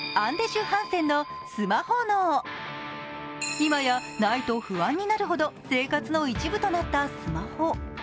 今やないと不安になるほど生活の一部となったスマホ。